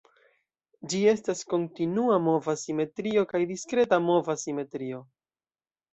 Ĝi estas kontinua mova simetrio kaj diskreta mova simetrio.